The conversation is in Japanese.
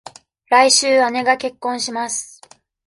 来週、姉が結婚します。